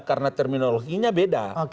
karena terminologinya beda